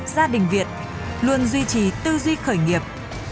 gia đình việt luôn duy trì tư duy khởi nghiệp